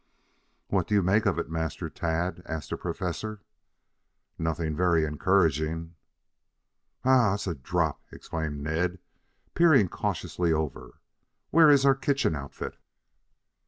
"What do you make of it, Master Tad?" asked the Professor. "Nothing very encouraging." "Whew! That's a drop!" exclaimed Ned, peering cautiously over. "Where is our kitchen outfit?"